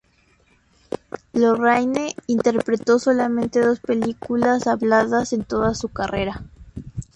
Lorraine interpretó solamente dos películas habladas en toda su carrera.